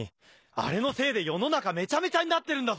あれのせいで世の中メチャメチャになってるんだぞ！